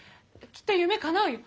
きっと夢かなうよ。